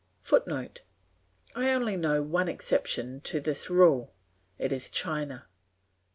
[Footnote: I only know one exception to this rule it is China.